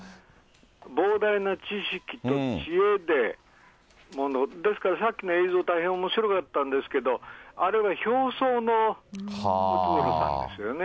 膨大な知識と知恵で、ですからさっきの映像、大変おもしろかったんですけど、あれは表層のムツゴロウさんですよね。